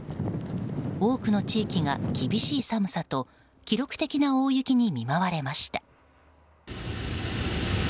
多くの地域が厳しい寒さと記録的な大雪に見舞われました。